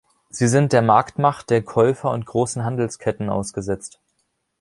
Sie sind der Marktmacht der Käufer und großen Handelsketten ausgesetzt.